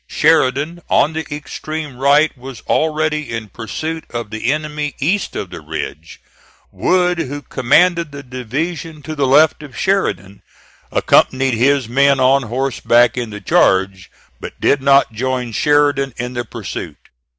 Sheridan on the extreme right was already in pursuit of the enemy east of the ridge. Wood, who commanded the division to the left of Sheridan, accompanied his men on horseback in the charge, but did not join Sheridan in the pursuit.